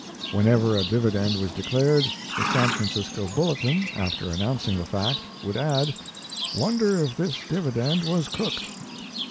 Whenever a dividend was declared, the San Francisco Bulletin, after announcing the fact, would add: "Wonder if this dividend was cooked?"